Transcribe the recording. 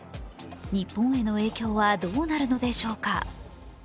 日本への影響はどうなるのでしょうか。